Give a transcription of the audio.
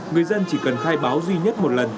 người dân chỉ cần khai báo duy nhất một lần